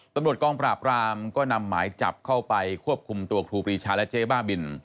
ตำรวจกองปราบรามก็นำหมายจับเข้าไปควบคุมตัวครูปรีชาและเจ๊บ้าบิน